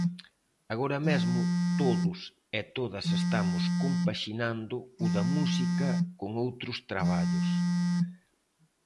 Agora mesmo todos e todas estamos compaxinando o da música con outros traballos.